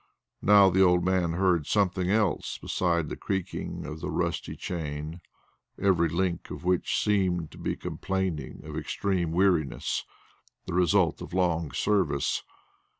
Now the old man heard something else beside the creaking of the rusted chain, every link of which seemed to be complaining of extreme weariness, the result of long service.